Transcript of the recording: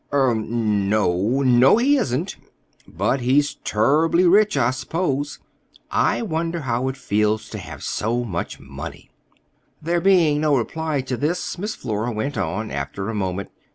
"Er—n no, he isn't." "But he's turribly rich, I s'pose. I wonder how it feels to have so much money." There being no reply to this, Miss Flora went on after a moment.